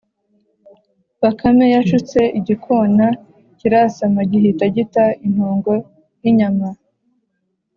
Bakame yashutse igikona kirasama gihita gita intongo yinyama